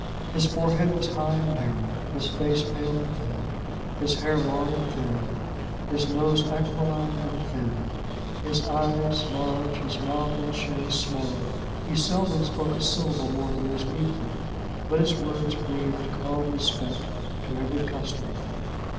His forehead was high and narrow, his face pale and thin, his hair long and thin, his nose aquiline and thin, his eyes large, his mouth and chin small. He seldom spoke a syllable more than was needful, but his words breathed calm respect to every customer.